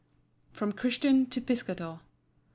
From Christian to Piscator.